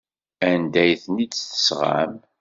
Anda ay ten-id-tesɣam?